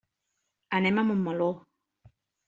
Anem a Montmeló.